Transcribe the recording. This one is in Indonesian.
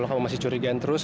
ya gak mau dong mas